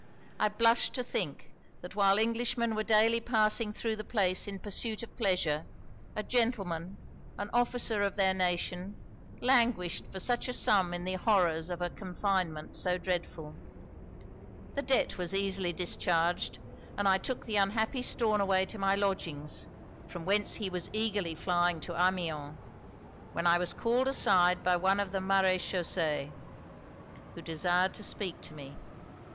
I blushed to think, that while Englishmen were daily passing thro' the place in pursuit of pleasure, a gentleman, an officer of their nation, languished for such a sum in the horrors of a confinement so dreadful. The debt was easily discharged; and I took the unhappy Stornaway to my lodgings, from whence he was eagerly flying to Amiens, when I was called aside by one of the maréchaussé, who desired to speak to me.